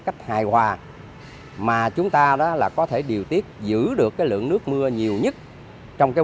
cách hài hòa mà chúng ta đó là có thể điều tiết giữ được cái lượng nước mưa nhiều nhất trong cái